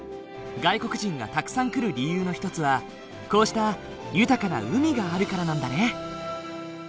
外国人がたくさん来る理由の一つはこうした豊かな海があるからなんだね。